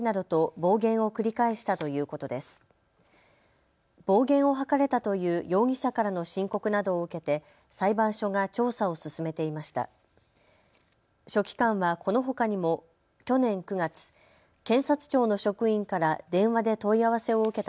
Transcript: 暴言を吐かれたという容疑者からの申告などを受けて裁判所が調査を進めていました。